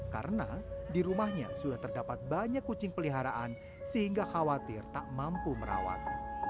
karena di rumahnya sudah terdapat banyak kucing peliharaan sehingga khawatir tak mampu merawat